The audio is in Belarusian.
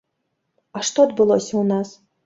А што адбылося ў нас?